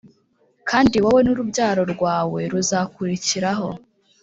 Kandi wowe n urubyaro rwawe ruzakurikiraho